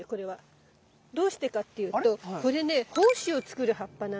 どうしてかっていうとこれね胞子を作る葉っぱなんです。